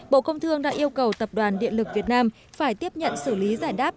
bộ công thương đã yêu cầu tập đoàn điện lực việt nam phải tiếp nhận xử lý giải đáp